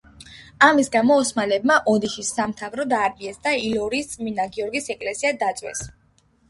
ამის გამო ოსმალებმა ოდიშის სამთავრო დაარბიეს და ილორის წმინდა გიორგის ეკლესია დაწვეს.